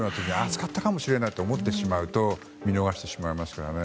使ったかもしれないと思うと見逃してしまいますよね。